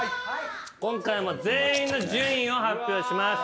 今回も全員の順位を発表します。